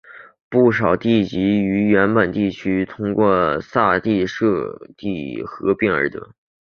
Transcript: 不少地级市是由原本的地区通过撤地设市或地市合并而得。